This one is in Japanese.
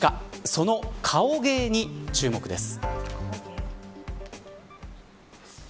その顔芸に注目です。